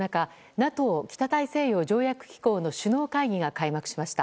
ＮＡＴＯ・北大西洋条約機構の首脳会議が開幕しました。